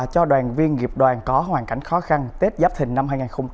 cho đoàn viên nghiệp đoàn có hoàn cảnh khó khăn tết giáp thình năm hai nghìn hai mươi bốn